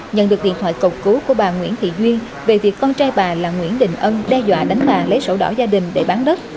nhận được điện thoại cầu cứu của bà nguyễn thị duyên về việc con trai bà là nguyễn đình ân đe dọa đánh bà lấy sổ đỏ gia đình để bán đất